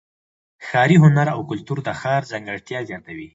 ښاري هنر او کلتور د ښار ځانګړتیا زیاتوي.